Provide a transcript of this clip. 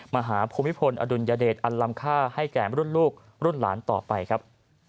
ภูมิพลอดุลยเดชอันลำค่าให้แก่รุ่นลูกรุ่นหลานต่อไปครับ